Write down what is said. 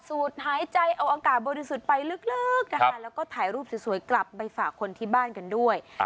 สูดหายใจเอาอากาศบริสุทธิ์ไปลึกนะคะแล้วก็ถ่ายรูปสวยกลับไปฝากคนที่บ้านกันด้วย